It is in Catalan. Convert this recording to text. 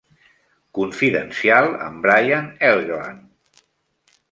Confidencial amb Brian Helgeland.